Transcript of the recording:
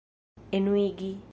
enuigi